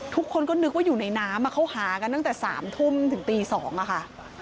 ทุกคนก็นึกว่าอยู่ในน้ำเขาหากันตั้งแต่๓ทุ่มถึงตี๒ค่ะ